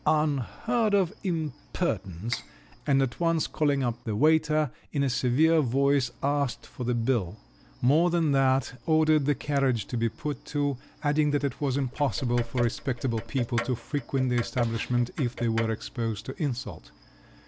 Unheard of impertinence!" and at once calling up the waiter, in a severe voice asked for the bill … more than that, ordered the carriage to be put to, adding that it was impossible for respectable people to frequent the establishment if they were exposed to insult!